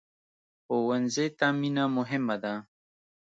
ښوونځی ته مینه مهمه ده